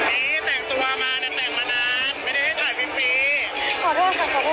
พี่แต่งตัวมาเนี่ยแต่งมานาน